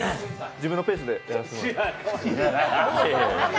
自分のペースでやらせてもらいます。